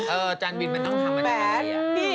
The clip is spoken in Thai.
เออจานบินแม่ต้องทำแบบนี้